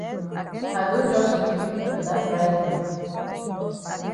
I don jus weak for dat price dem.